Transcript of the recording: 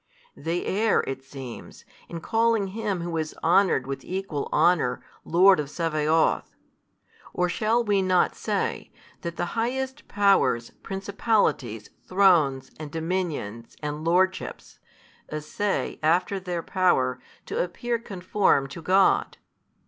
They err, it seems, in calling Him Who is honoured with equal honour Lord of Sabaoth. Or shall we not say, that the highest Powers, Principalities Thrones and Dominions and Lordships, essay, after their power, to appear conformed to God?